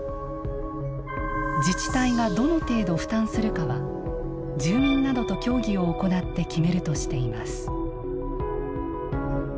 自治体が、どの程度負担するかは住民などと協議を行って決めるとしています。